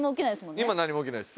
今何も起きないです。